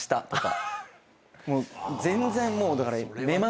全然もうだから。